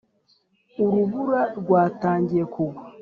urubura rwatangiye kugwa